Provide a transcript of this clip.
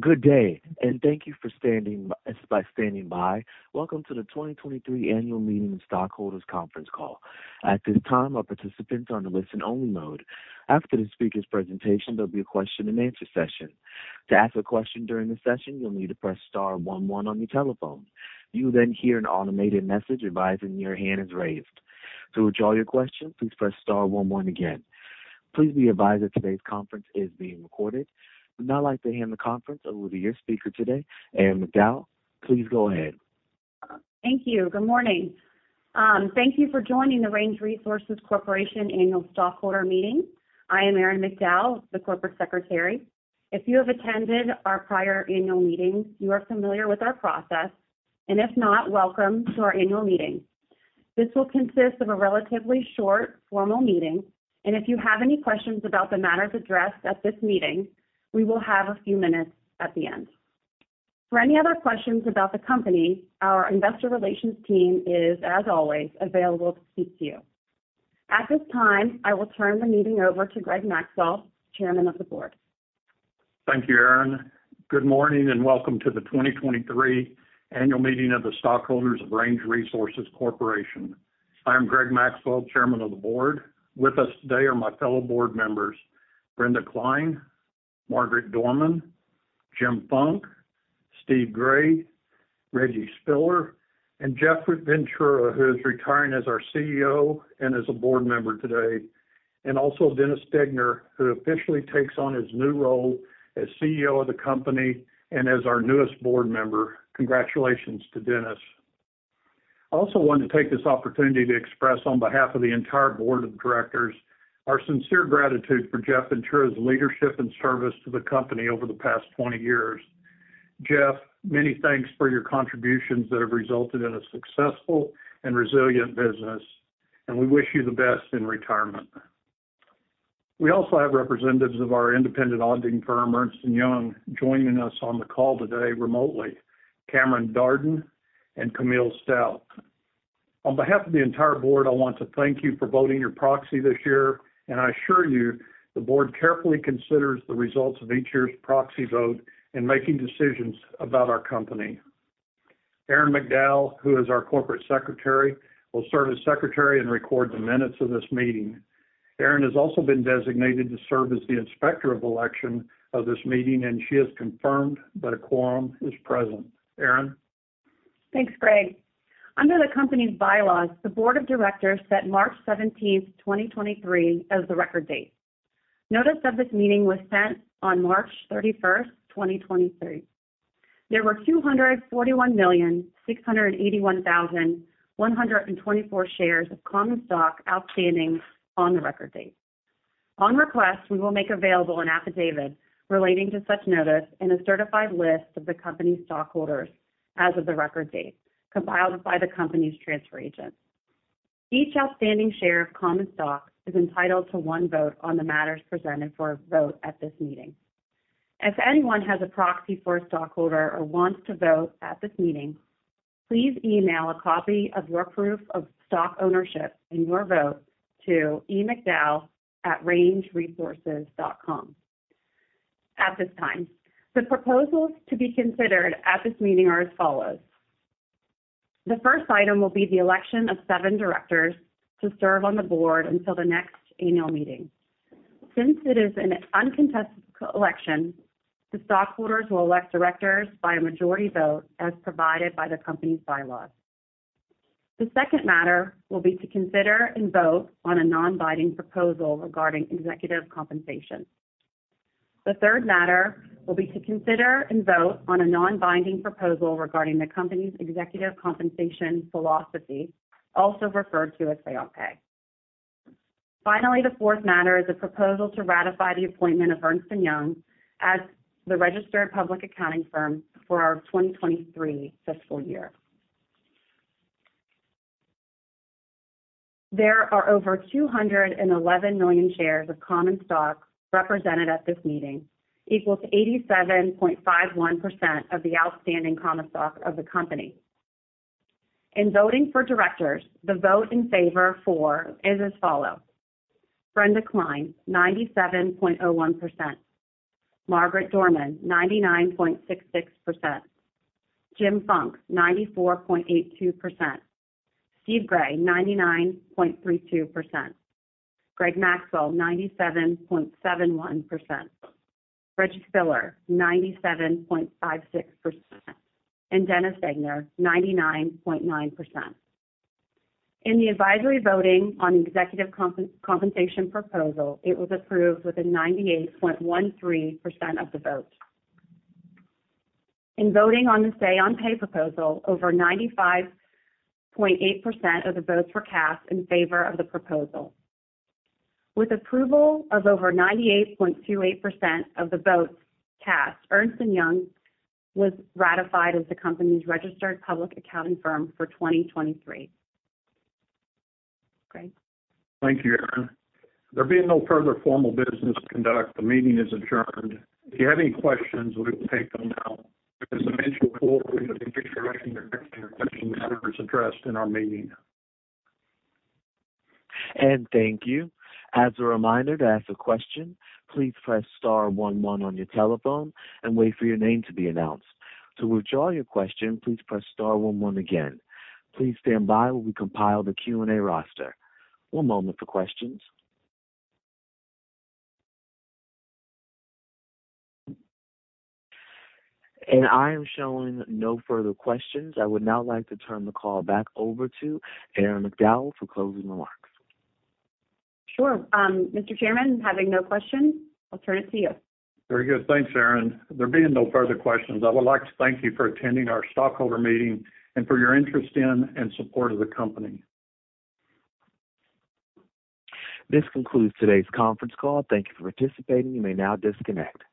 Good day, and thank you for standing by, by standing by. Welcome to the 2023 Annual Meeting of Stockholders conference call. At this time, our participants are on a listen-only mode. After the speaker's presentation, there'll be a question-and-answer session. To ask a question during the session, you'll need to press star one one on your telephone. You'll then hear an automated message advising your hand is raised. To withdraw your question, please press star one one again. Please be advised that today's conference is being recorded. Now I'd like to hand the conference over to your speaker today, Erin McDowell. Please go ahead. Thank you. Good morning. Thank you for joining the Range Resources Corporation Annual Stockholder Meeting. I am Erin McDowell, the Corporate Secretary. If you have attended our prior annual meetings, you are familiar with our process, and if not, welcome to our annual meeting. This will consist of a relatively short, formal meeting, and if you have any questions about the matters addressed at this meeting, we will have a few minutes at the end. For any other questions about the company, our investor relations team is, as always, available to speak to you. At this time, I will turn the meeting over to Greg Maxwell, Chairman of the Board. Thank you, Erin. Good morning, and welcome to the 2023 Annual Meeting of the Stockholders of Range Resources Corporation. I am Greg Maxwell, Chairman of the Board. With us today are my fellow board members, Brenda Cline, Margaret Dorman, Jim Funk, Steve Gray, Reggie Spiller, and Jeff Ventura, who is retiring as our CEO and as a board member today, and also Dennis Degner, who officially takes on his new role as CEO of the company and as our newest board member. Congratulations to Dennis. I also want to take this opportunity to express, on behalf of the entire board of directors, our sincere gratitude for Jeff Ventura's leadership and service to the company over the past 20 years. Jeff, many thanks for your contributions that have resulted in a successful and resilient business, and we wish you the best in retirement. We also have representatives of our independent auditing firm, Ernst & Young, joining us on the call today remotely, Cameron Darden and Camille Stout. On behalf of the entire board, I want to thank you for voting your proxy this year, and I assure you, the board carefully considers the results of each year's proxy vote in making decisions about our company. Erin McDowell, who is our Corporate Secretary, will serve as secretary and record the minutes of this meeting. Erin has also been designated to serve as the Inspector of Election of this meeting, and she has confirmed that a quorum is present. Erin? Thanks, Greg. Under the company's Bylaws, the board of directors set March seventeenth, 2023, as the record date. Notice of this meeting was sent on March thirty-first, 2023. There were 241,681,124 shares of common stock outstanding on the record date. On request, we will make available an affidavit relating to such notice and a certified list of the company's stockholders as of the record date, compiled by the company's transfer agent. Each outstanding share of common stock is entitled to one vote on the matters presented for a vote at this meeting. If anyone has a proxy for a stockholder or wants to vote at this meeting, please email a copy of your proof of stock ownership and your vote to emcdowell@rangeresources.com. At this time, the proposals to be considered at this meeting are as follows: The first item will be the election of seven directors to serve on the board until the next annual meeting. Since it is an uncontested election, the stockholders will elect directors by a majority vote, as provided by the company's bylaws. The second matter will be to consider and vote on a non-binding proposal regarding executive compensation. The third matter will be to consider and vote on a non-binding proposal regarding the company's executive compensation philosophy, also referred to as Say on Pay. Finally, the fourth matter is a proposal to ratify the appointment of Ernst & Young as the registered public accounting firm for our 2023 fiscal year. There are over 211 million shares of common stock represented at this meeting, equals 87.51% of the outstanding common stock of the company. In voting for directors, the vote in favor for is as follows: Brenda Cline, 97.01%. Margaret Dorman, 99.66%. Jim Funk, 94.82%. Steve Gray, 99.32%. Greg Maxwell, 97.71%. Reggie Spiller, 97.56%. And Dennis Degner, 99.9%. In the advisory voting on the executive compensation proposal, it was approved with a 98.13% of the vote. In voting on the Say on Pay proposal, over 95.8% of the votes were cast in favor of the proposal. With approval of over 98.28% of the votes cast, Ernst & Young was ratified as the company's registered public accounting firm for 2023. Greg? Thank you, Erin. There being no further formal business to conduct, the meeting is adjourned. If you have any questions, we will take them now. As I mentioned before, we have been directing your questions and matters addressed in our meeting. Thank you. As a reminder, to ask a question, please press star one one on your telephone and wait for your name to be announced. To withdraw your question, please press star one one again. Please stand by while we compile the Q&A roster. One moment for questions. I am showing no further questions. I would now like to turn the call back over to Erin McDowell for closing remarks. Sure. Mr. Chairman, having no questions, I'll turn it to you. Very good. Thanks, Erin. There being no further questions, I would like to thank you for attending our stockholder meeting and for your interest in and support of the company. This concludes today's conference call. Thank you for participating. You may now disconnect.